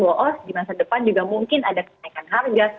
bahwa oh di masa depan juga mungkin ada kenaikan harga